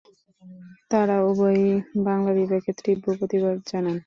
তাঁরা উভয়েই বাংলা বিভাগের তীব্র প্রতিবাদ জানান।